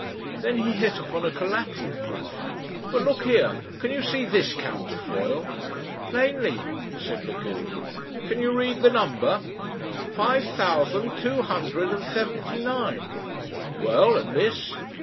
Then he hit upon a collateral proof. "But look here! Can you see this counterfoil?" "Plainly," said Lagune. "Can you read the number?" "Five thousand two hundred and seventy nine." "Well, and this?"